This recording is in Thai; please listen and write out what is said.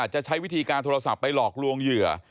จะใช้วิธีการโทรศัพท์ไปหลอกลวงเหยื่อ